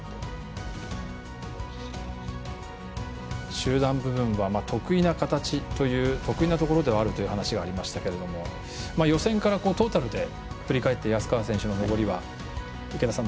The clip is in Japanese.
中盤部分は、得意な形ではあるという話をしていましたけれども予選からトータルで振り返って安川選手の登りは池田さん